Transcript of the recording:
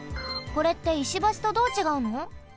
これって石橋とどうちがうの？